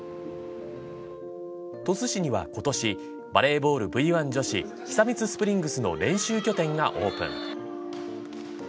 鳥栖市には、今年バレーボールＶ１女子久光スプリングスの練習拠点がオープン。